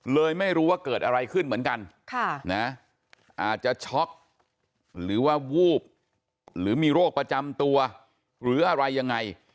ไม่รู้ว่าเกิดอะไรขึ้นเหมือนกันอาจจะช็อกหรือว่าวูบหรือมีโรคประจำตัวหรืออะไรยังไง